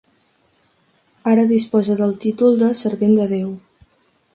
Ara disposa del títol de "servent de Déu".